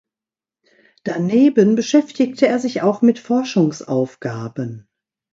Daneben beschäftigte er sich auch mit Forschungsaufgaben.